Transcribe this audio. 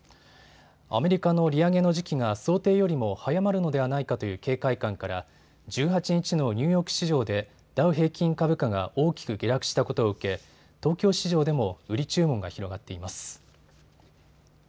アメリカの利上げの時期が想定よりも早まるのではないかという警戒感から１８日のニューヨーク市場でダウ平均株価が大きく下落したことを受け東京市場でも売り注文が広がっています。